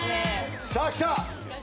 さあきた！